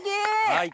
はい。